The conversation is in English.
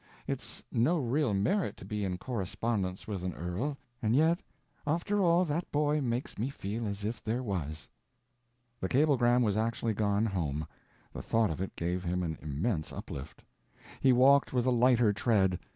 It's no real merit to be in correspondence with an earl, and yet after all, that boy makes me feel as if there was." The cablegram was actually gone home! the thought of it gave him an immense uplift. He walked with a lighter tread.